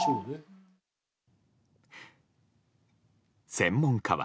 専門家は。